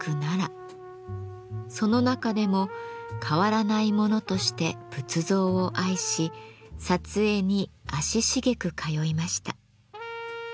その中でも変わらないものとして仏像を愛し撮影に足しげく通いました。